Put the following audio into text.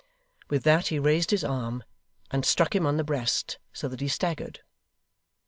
With that he raised his arm, and struck him on the breast so that he staggered.